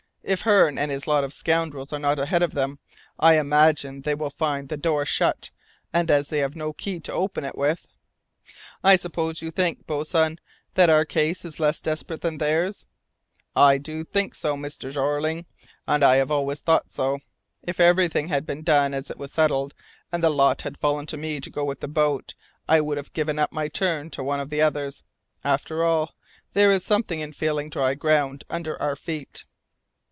If Hearne and his lot of scoundrels are not ahead of them, I imagine they will find the door shut, and as they have no key to open it with " "I suppose you think, boatswain, that our case is less desperate than theirs?" "I do think so, Mr. Jeorling, and I have always thought so. If everything had been done as it was settled, and the lot had fallen to me to go with the boat, I would have given up my turn to one of the others. After all, there is something in feeling dry ground under your feet.